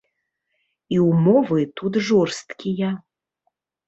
І ўмовы тут жорсткія.